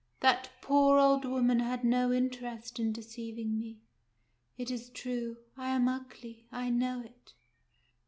That poor old woman had no interest in deceiving me. It is true. I am ugly. I know it."